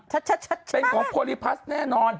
ชัดเป็นของโพลิพัสแน่นอน